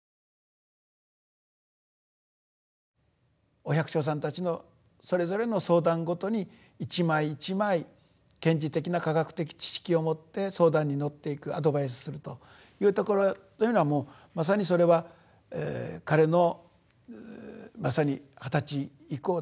お百姓さんたちのそれぞれの相談ごとに一枚一枚賢治的な科学的知識をもって相談に乗っていくアドバイスするというところというのはもうまさにそれは彼のまさに二十歳以降ですね